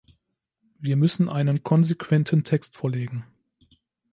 Wir müssen einen konsequenten Text vorlegen.